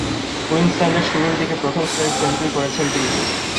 কুইন্সল্যান্ডের শুরুর দিকের প্রথম-শ্রেণীর সেঞ্চুরি করেছেন তিনি।